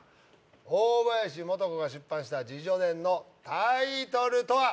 大林素子が出版した自叙伝のタイトルとは？